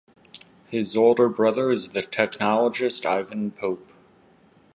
His older brother is the technologist Ivan Pope.